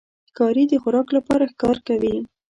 ښکاري د خوراک لپاره ښکار کوي.